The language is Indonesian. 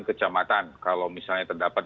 kecamatan kalau misalnya terdapat